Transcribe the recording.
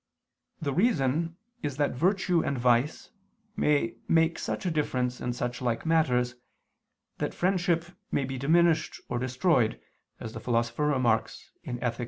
The reason is that virtue and vice may make such a difference in such like matters, that friendship may be diminished or destroyed, as the Philosopher remarks (Ethic.